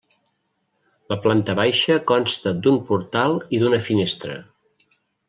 La planta baixa consta d'un portal i d'una finestra.